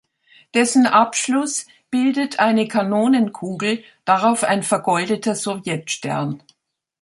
Dessen Abschluss bildet eine Kanonenkugel, darauf ein vergoldeter Sowjetstern.